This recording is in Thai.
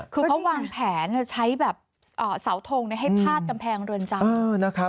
คือเขาวางแผนใช้แบบเสาทงให้พาดกำแพงเรือนจำ